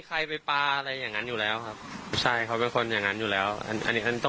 คุยยากคุยยากครับคุยยาก